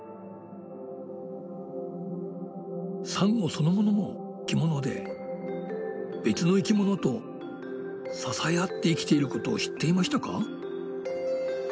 そのものも生きもので別の生きものと支え合って生きていることを知っていましたか？